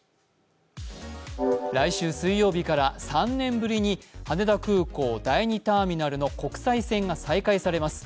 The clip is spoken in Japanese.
来週水曜日から３年ぶりに羽田空港・第２ターミナルの国際線が再開されます。